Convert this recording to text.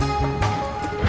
liat dong liat